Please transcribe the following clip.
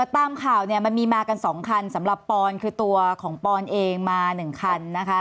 ตามข่าวเนี่ยมันมีมากัน๒คันสำหรับปอนคือตัวของปอนเองมา๑คันนะคะ